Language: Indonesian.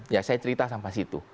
ya saya cerita sampai situ